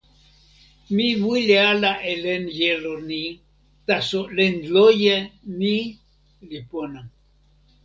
mi wile ala e len jelo ni, taso len loje ni li pona.